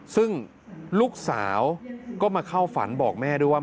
ซึ่งลูกสาวก็มาเข้าฝันบอกแม่ด้วยว่า